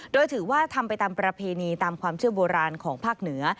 โดยถือว่าทำไปตามประเพณีตามความเชื่อโบราณของภาคเหนือ